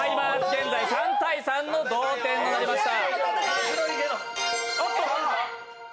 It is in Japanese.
現在３−３の同点になりました。